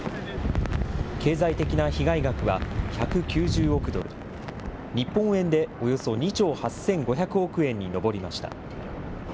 経済的な被害額は１９０億ドル、日本円でおよそ２兆８５００億円に上りました。